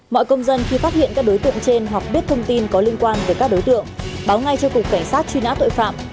mọi công dân khi phát hiện các đối tượng trên hoặc biết thông tin có liên quan về các đối tượng báo ngay cho cục cảnh sát truy nã tội phạm